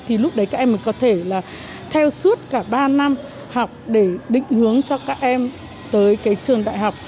thì lúc đấy các em mới có thể là theo suốt cả ba năm học để định hướng cho các em tới cái trường đại học